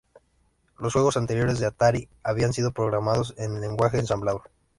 Los juegos anteriores de Atari habían sido programados en Lenguaje ensamblador.